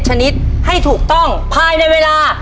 ก็คิดว่าช่วยดีกว่า